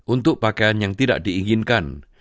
untuk pakaian yang tidak diinginkan